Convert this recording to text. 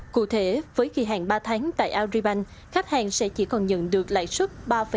cụ thể với kỳ hạn ba tháng tại aribank khách hàng sẽ chỉ còn nhận được lãi suất ba năm